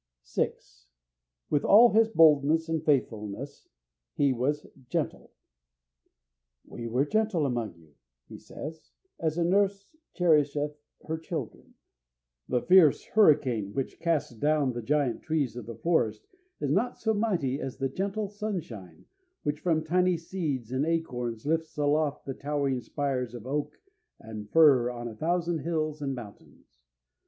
6. With all his boldness and faithfulness he was gentle. "We were gentle among you," he says, "as a nurse cherisheth her children." The fierce hurricane which casts down the giant trees of the forest is not so mighty as the gentle sunshine, which, from tiny seeds and acorns, lifts aloft the towering spires of oak and fir on a thousand hills and mountains.